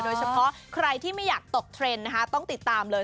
โดยเฉพาะใครที่ไม่อยากตกเทรนด์นะคะต้องติดตามเลย